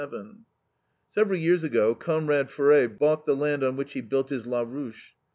Several years ago Comrade Faure bought the land on which he built his LA RUCHE.